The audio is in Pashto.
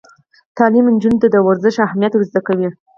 تعلیم نجونو ته د ورزش اهمیت ور زده کوي.